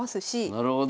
なるほど。